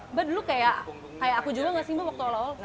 mbak dulu kayak aku juga gak simpel waktu lalu